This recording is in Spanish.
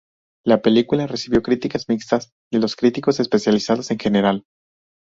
La película recibió críticas mixtas de los críticos especializados en general.